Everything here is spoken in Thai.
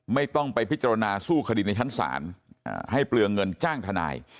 ไม่ต้องไปพิจารณาสู้คดีในชั้นศาลให้เปลืองเงินจ้างทนาย